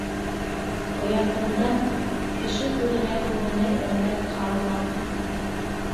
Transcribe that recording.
Оятымдан... кеше күҙенә күренер әмәл ҡалманы...